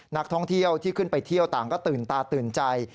นักท่องเที่ยวที่ขึ้นไปเที่ยวต่างก็ตื่นตาตื่นใจ